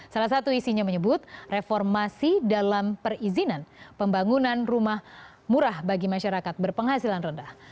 salah satu isinya menyebut reformasi dalam perizinan pembangunan rumah murah bagi masyarakat berpenghasilan rendah